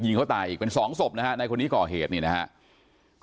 ยิงเขาตายอีกเป็นสองศพนะคะในคนนี้ก่อเหตุนี้นะคะ